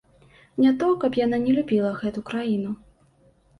Не то, каб яна не любіла гэту краіну.